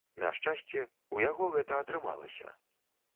На шчасце, у яго гэта атрымалася.